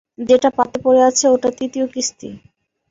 যেটা পাতে পড়ে আছে ওটা তৃতীয় কিস্তি।